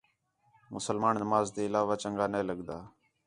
مسلمان نماز تے علاوہ چَنڳا نے لڳدا